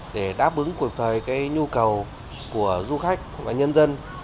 để đáp ứng cuộc thời nhu cầu của du khách và nhân dân